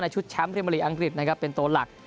ชุดแชมป์พรีเมอร์ลีกอังกฤษนะครับเป็นตัวหลัก